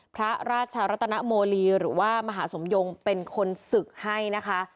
พระราชรัตนโมลีหรือว่ามหาสมยงเป็นคนศึกให้นะคะ